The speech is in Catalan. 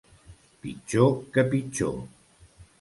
Pitjor que pitjor.